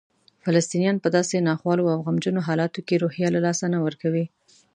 فلسطینیان په داسې ناخوالو او غمجنو حالاتو کې روحیه له لاسه نه ورکوي.